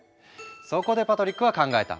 そこでパトリックは考えた。